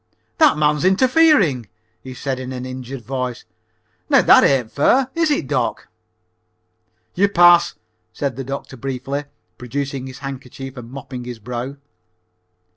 "That man's interfering," he said in an injured voice. "Now that ain't fair, is it, doc?" "You pass," said the doctor briefly, producing his handkerchief and mopping his brow.